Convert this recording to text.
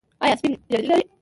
ایا سپین زیړی لرئ؟